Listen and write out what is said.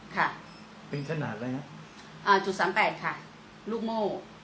ค่ะเป็นขนาดอะไรฮะอ่าจุดสามแปดค่ะลูกโม่